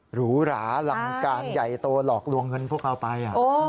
หรูหราลังการใหญ่โตหลอกลวงเงินพวกเราไป